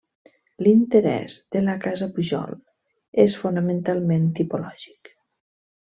L'interès de la Casa Pujol és fonamentalment tipològic.